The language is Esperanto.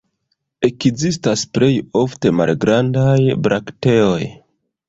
Ekzistas plej ofte malgrandaj brakteoj.